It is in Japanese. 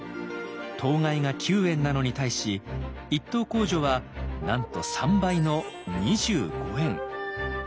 等外が９円なのに対し一等工女はなんと３倍の２５円。